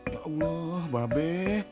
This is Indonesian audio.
ya allah mbak be